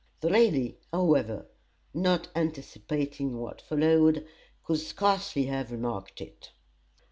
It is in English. The lady, however, not anticipating what followed, could scarcely have remarked it.